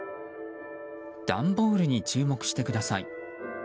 段ボールに注目してください。